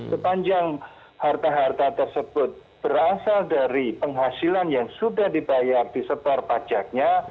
sepanjang harta harta tersebut berasal dari penghasilan yang sudah dibayar disebar pajaknya